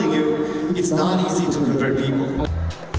dan saya memberitahu anda ini tidak mudah untuk mengubah orang